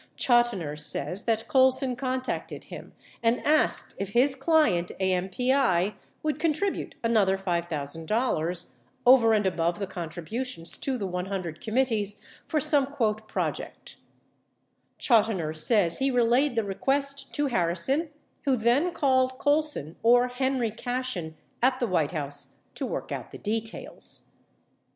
Chotiner says that Colson contacted him and asked if his client, AMPI, would con tribute another $5,000 — over and above the contributions to the 100 committees — for some "project." Chotiner says he relayed the request to Harrison who then called Colson or Henry Cashen at the White House to work out the details.